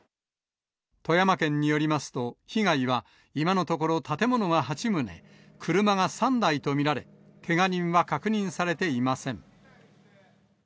富山県によりますと、被害は今のところ、建物が８棟、車が３台と見られ、けが人は確認されていません。